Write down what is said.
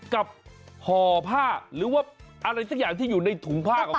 ห่อผ้าหรือว่าอะไรสักอย่างที่อยู่ในถุงผ้าของเขา